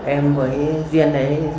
em với duyên ấy